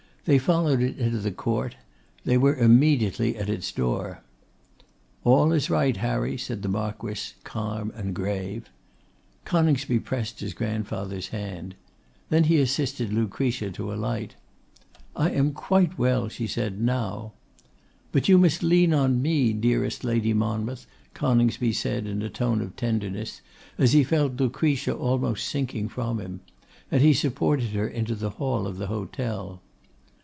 They followed it into the court. They were immediately at its door. 'All is right, Harry,' said the Marquess, calm and grave. Coningsby pressed his grandfather's hand. Then he assisted Lucretia to alight. 'I am quite well,' she said, 'now.' 'But you must lean on me, dearest Lady Monmouth,' Coningsby said in a tone of tenderness, as he felt Lucretia almost sinking from him. And he supported her into the hall of the hotel.